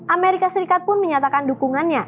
amerika serikat pun menyatakan dukungannya